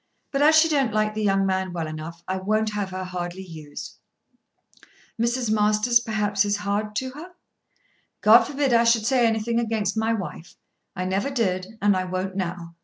But as she don't like the young man well enough, I won't have her hardly used." "Mrs. Masters perhaps is hard to her." "God forbid I should say anything against my wife. I never did, and I won't now.